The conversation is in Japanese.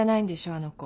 あの子。